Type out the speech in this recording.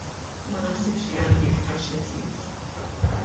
Ma naħsibx li għandi aktar xi nżid.